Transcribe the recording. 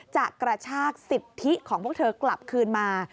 กระชากสิทธิของพวกเธอกลับคืนมา